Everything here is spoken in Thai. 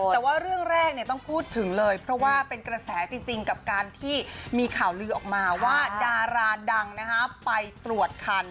แต่ว่าเรื่องแรกต้องพูดถึงเลยเพราะว่าเป็นกระแสจริงกับการที่มีข่าวลือออกมาว่าดาราดังไปตรวจคัน